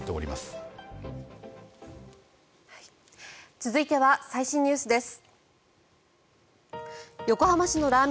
続いては最新ニュースです。